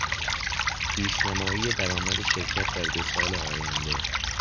پیشنمایی درآمد شرکت در دو سال آینده